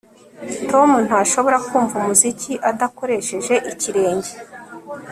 Tom ntashobora kumva umuziki adakoresheje ikirenge